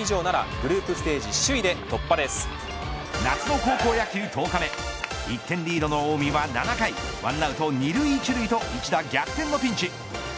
以上ならグループステージ首位で夏の高校野球１０日目１点リードの近江は７回１アウト２塁１塁と一打逆転のピンチ。